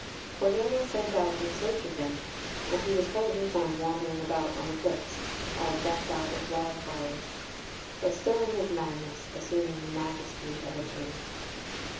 Cordelia sent out in search of him, and he was presently found wandering about on the cliffs, all decked out with wild flowers, but still in his madness assuming the majesty of a King.